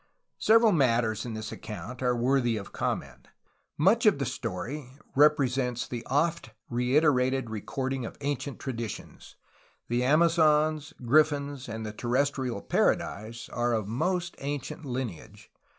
Several matters in this account are worthy of comment. Much of the story represents the oft reiterated recording of ancient traditions. The Amazons, griffins, and the Terres trial Paradise are of most ancient lineage.